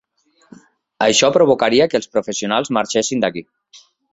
Això provocaria que els professionals marxessin d'aquí.